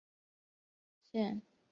现为平湖秋月景点的一部分。